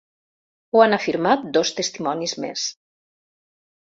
Ho han afirmat dos testimonis més.